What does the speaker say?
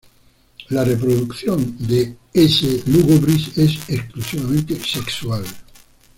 La reproducción de "S. lugubris" es exclusivamente sexual.